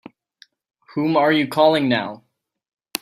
Whom are you calling now?